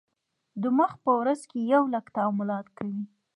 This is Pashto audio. دماغ په ورځ یو لک تعاملات کوي.